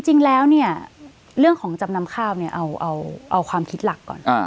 จริงแล้วเนี่ยเรื่องของจำนำข้าวเนี่ยเอาความคิดหลักก่อน